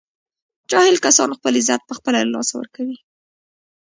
جاهل کسان خپل عزت په خپله له لاسه ور کوي